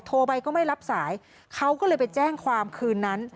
โทรไปก็ไม่รับสายเขาก็เลยไปแจ้งความคืนนั้น